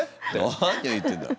なにを言ってんだ。